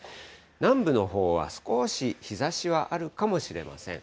南部のほうは少し日ざしはあるかもしれません。